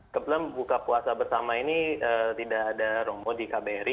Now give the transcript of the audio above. kebetulan buka puasa bersama ini tidak ada romo di kbri